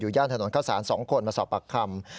อยู่ย่านถนนเข้าศาลสองคนมาสอบปากคำ